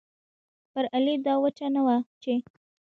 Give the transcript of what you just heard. پر علي دا وچه نه وه چې